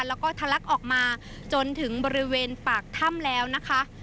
แล้วก็ทะลักออกมาจนถึงบริเวณปากถ้ำแล้วนะคะ